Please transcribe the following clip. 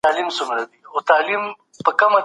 حق به له ډېر وخت راهيسي ځلاند او روښانه پاتې سوی وي.